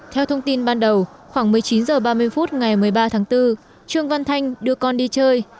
theo thông tin ban đầu khoảng một mươi chín h ba mươi phút ngày một mươi ba tháng bốn trương văn thanh đưa con đi chơi